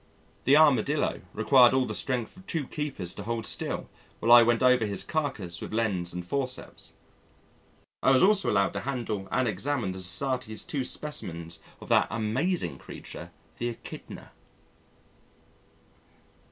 The Armadillo required all the strength of two keepers to hold still while I went over his carcass with lens and forceps. I was also allowed to handle and examine the Society's two specimens of that amazing creature the Echidna.